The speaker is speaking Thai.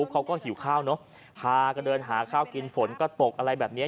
ก็เดินหาข้าวกินฝนก็ตกอะไรแบบนี้